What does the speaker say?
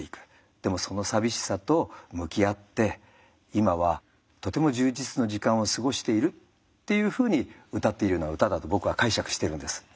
でもその寂しさと向き合って今はとても充実の時間を過ごしているっていうふうにうたっているような歌だと僕は解釈してるんです。